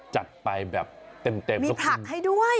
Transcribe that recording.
จัดไปแบบเต็มมีผักให้ด้วย